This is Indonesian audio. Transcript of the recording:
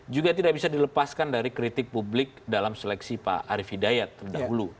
juga tidak bisa dilepaskan dari kritik publik dalam seleksi pak arief hidayat terdahulu